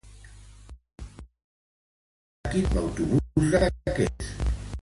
A quina hora arriba l'autobús de Cadaqués?